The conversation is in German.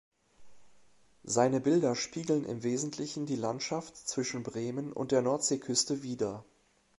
Seine Bilder spiegeln im Wesentlichen die Landschaft zwischen Bremen und der Nordseeküste wider.